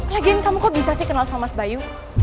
lagian kamu kok bisa sih kenal sama mas bayu